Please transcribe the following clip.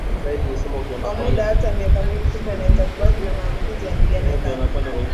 Kwa muda hata miaka miwili kupe anaweza kubaki na maambukizi ya ndigana kali